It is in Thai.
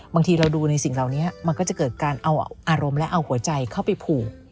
บางทีเราดูในสิ่งเหล่านี้มันก็จะเกิดการเอาอารมณ์และเอาหัวใจเข้าไปผูก